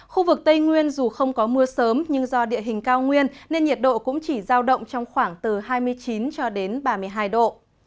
khu vực tây nguyên dù không có mưa sớm nhưng do địa hình cao nguyên nên nhiệt độ cũng chỉ giao động trong khoảng từ hai mươi chín cho đến ba mươi hai độ